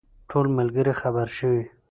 ټول ملګري خبر شوي.